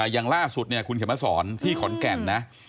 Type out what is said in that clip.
อย่างล่าสุดคุณเขียนมาสอนที่ขนแก่น